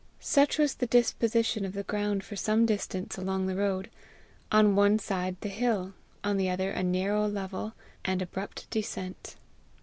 Such was the disposition of the ground for some distance along the road on one side the hill, on the other a narrow level, and abrupt descent.